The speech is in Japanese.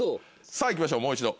さぁ行きましょうもう一度。